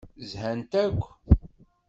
Zhant akk.